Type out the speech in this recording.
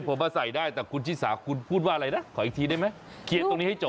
ผมว่าใส่ได้แต่คุณชิสาคคุณพูดว่าอะไรนะขออีกทีได้ไหม